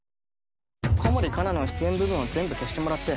小森かなの出演部分を全部消してもらって。